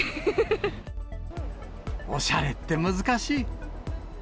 おしゃれって難しい。